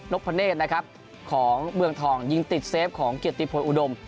พะเนธนะครับของเมืองทองยิงติดเซฟของเกียรติพลอุดม